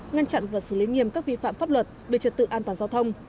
ngăn chặn và xử lý nghiêm các vi phạm pháp luật về trật tự an toàn giao thông